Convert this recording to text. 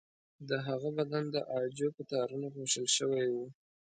د هغه بدن د عاجو په تارونو پوښل شوی و.